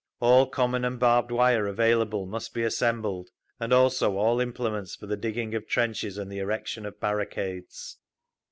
All common and barbed wire available must be assembled, and also all implements for the digging of trenches and the erection of barricades.